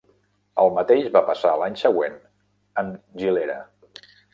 El mateix va passar l'any següent amb Gilera.